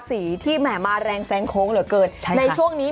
จบเป็นสถานที่